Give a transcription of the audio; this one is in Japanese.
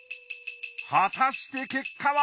果たして結果は？